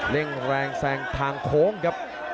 เร่งแรงแซงทางโค้งครับ